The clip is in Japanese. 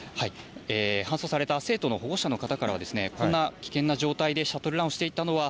搬送された生徒の保護者の方から、こんな危険な状態でシャトルランをしていたのは、